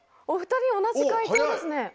お２人同じ解答ですね。